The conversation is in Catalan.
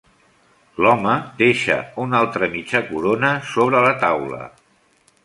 L'home deixa una altra mitja corona sobre la taula.